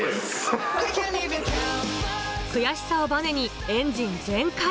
悔しさをバネにエンジン全開。